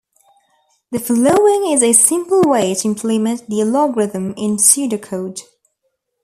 The following is a simple way to implement the algorithm in pseudocode.